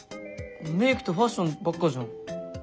メークとファッションばっかじゃん。